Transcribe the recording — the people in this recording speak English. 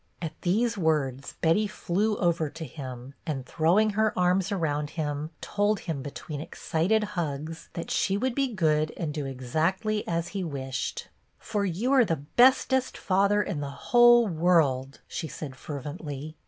At these words Betty flew over to him, and, throwing her arms around him, told him between excited hugs, that she would be good and do exactly as he wished. " For you are the bestest father in the whole world," she said fervently.